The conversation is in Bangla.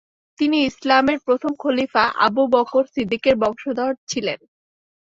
তিনি ইসলামের প্রথম খলিফা আবু বকর সিদ্দিকের বংশধর ছিলেন।